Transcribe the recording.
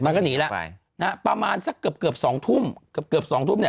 มันก็หนีไปประมาณเกือบสองทุ่ม